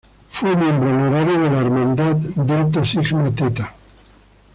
Fue miembro honorario de la hermandad Delta Sigma Theta.